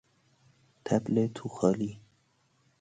طبل توخالی